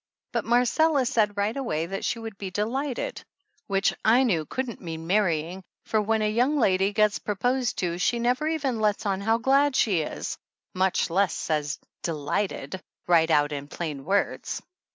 But Marcella said right away that she would be delighted, which I knew couldn't mean marrying, for when a young lady gets proposed to she never even lets on how glad she is, much less says delighted right out in plain words.